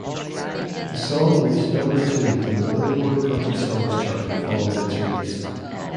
The song reached number two on the "Billboard" country songs chart following its release.